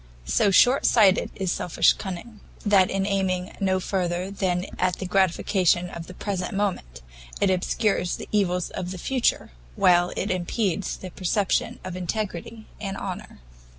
So short sighted is selfish cunning, that in aiming no further than at the gratification of the present moment, it obscures the evils of the future, while it impedes the perception of integrity and honour.